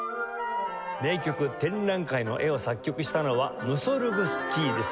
名曲『展覧会の絵』を作曲したのはムソルグスキーです。